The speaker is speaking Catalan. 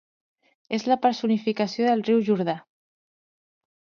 És la personificació del riu Jordà.